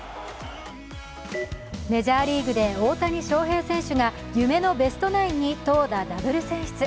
メジャーリーグで大谷翔平選手が夢のベストナインに投打ダブル選出。